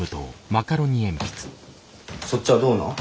そっちはどうなん？